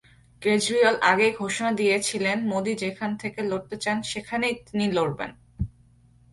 কেজরিওয়াল আগেই ঘোষণা দিয়েছিলেন মোদি যেখান থেকে লড়তে চান সেখানেই তিনি লড়বেন।